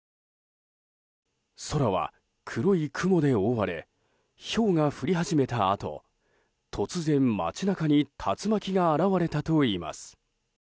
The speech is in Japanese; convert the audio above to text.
空は黒い雲で覆われひょうが降り始めたあと突然、街中に竜巻が現れたといいます。